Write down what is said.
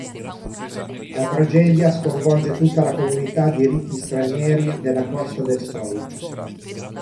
La tragedia sconvolge tutta la comunità di ricchi stranieri della Costa del Sol.